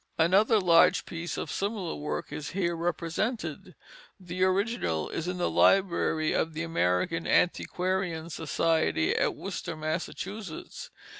Another large piece of similar work is here represented. The original is in the library of the American Antiquarian Society at Worcester, Massachusetts.